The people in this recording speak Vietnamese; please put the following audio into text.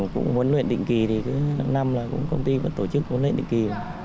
cũng huấn luyện định kỳ năm là công ty vẫn tổ chức huấn luyện định kỳ